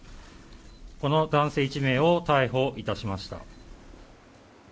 この男性１名を逮捕いたしました。